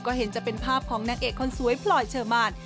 ก็เห็นจะเป็นภาพของนางเอกคนสวยพลอยเชอร์มาน